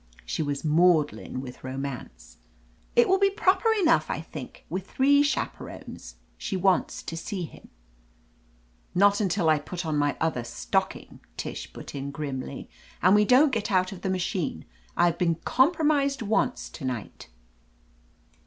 She was maudlin with romance. "It will be proper enough, I think, with three chaperons. She wants to see him." "Not until I put on my other stocking," Tish put in grimly. "And we don't get out of the machine; I've been compromised once to night."